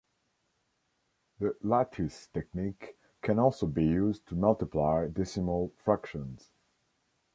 The lattice technique can also be used to multiply decimal fractions.